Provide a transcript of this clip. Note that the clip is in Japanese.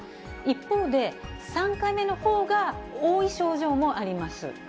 一方で３回目のほうが多い症状もあります。